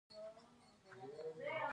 سوله سپیڅلې ده